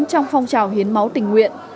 trong phong trào hiến máu tình nguyện